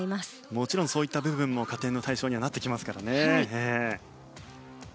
もちろんそういった部分も加点の対象にはなってきますからね。